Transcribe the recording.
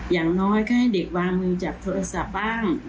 อย่างน้อยก็ให้เด็กวางมือจากโทรศัพท์บ้าง